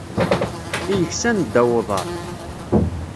I yeksan ddaw n udrar.